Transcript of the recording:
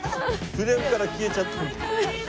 フレームから消えちゃって。